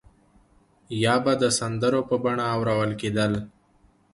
یا به د سندرو په بڼه اورول کېدل.